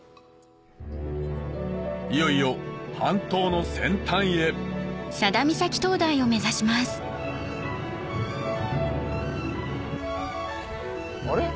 いよいよ半島の先端へあれ？